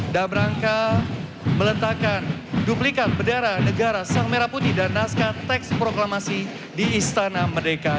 dan berangkat meletakkan duplikat berdarah negara sang merah putih dan naskah teks proklamasi di istana merdeka jakarta